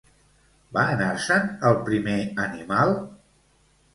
Va anar-se'n el primer animal?